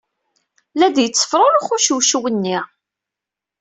La d-yettefrurux ucewcew-nni.